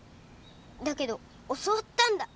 だけど教わったんだ。